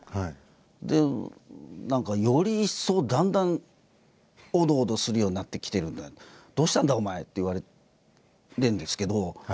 で何かより一層だんだんオドオドするようになってきてるんで「どうしたんだ？お前」って言われるんですけど。